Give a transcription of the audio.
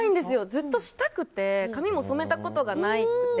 ずっとしたくて髪も染めたことがなくて。